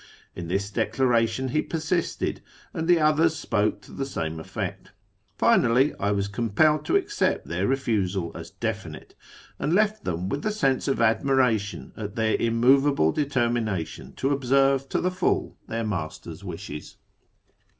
In this declaration he persisted, and the others spoke to the same effect. Finally, I was compelled to accept their refusal as definite, and left them with a sense of admiration at their immovable determination to observe to the full their master's wishes.